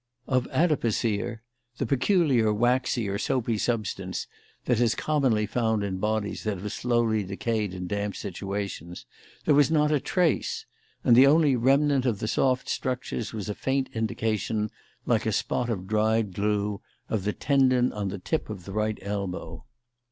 Of adipocere (the peculiar waxy or soapy substance that is commonly found in bodies that have slowly decayed in damp situations) there was not a trace; and the only remnant of the soft structures was a faint indication, like a spot of dried glue, of the tendon on the tip of the right elbow.